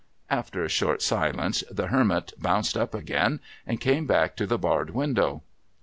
After a short silence, the Hermit bounced up again, and came back to the barred window.